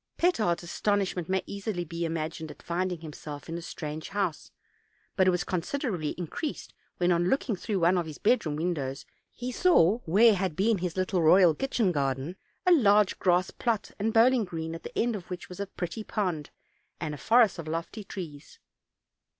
Petard's astonishment may be easily imagined at finding himself in a strange house; but it was considerably increased when, on looking through one of his bedroom windows, he saw, where had been his little royal kitchen garden, a large grass plot and bowling green, at the end of which was a very pretty pond, and a forest of lofty trees.